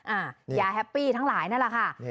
ยาแฮปปี้ทั้งหลายนั่นแหละค่ะ